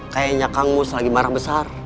kayaknya kang mus lagi marah besar